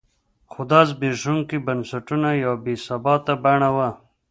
خو دا د زبېښونکو بنسټونو یوه بې ثباته بڼه وه.